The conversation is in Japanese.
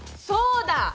そうだ！